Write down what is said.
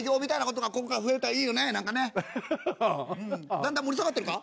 だんだん盛り下がってるか？